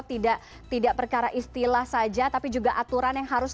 tidak tidak perkara istilah saja tapi juga aturan yang harus